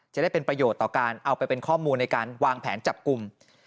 จะได้เป็นประโยชน์ต่อการเอาไปเป็นข้อมูลในการวางแผนจับกลุ่ม